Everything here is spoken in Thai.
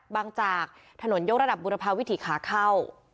จากถนนยกระดับบุรพาวิถีขาเข้า